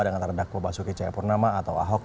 dengan terdakwa basuki caya purnama atau ahok